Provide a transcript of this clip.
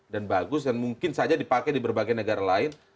dan bagus dan mungkin saja dipakai di berbagai negara lain